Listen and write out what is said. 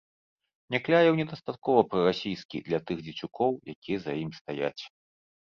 Някляеў недастаткова прарасійскі для тых дзецюкоў, якія за ім стаяць.